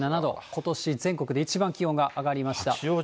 ことし全国で一番気温が上がりました。